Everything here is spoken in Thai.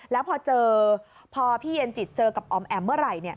แล้วพอเจอพอพี่เย็นจิตเจอกับอ๋อมแอ๋มเมื่อไหร่